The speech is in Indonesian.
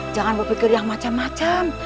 jangan berpikir yang macam macam